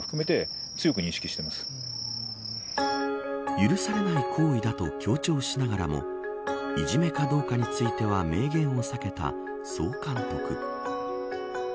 許されない行為だと強調しながらもいじめかどうかについては明言を避けた総監督。